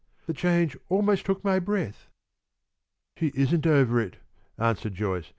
"The change almost took my breath." "She isn't over it," answered Joyce.